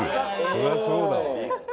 そりゃそうだわ。